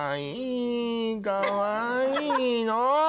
かわいいの！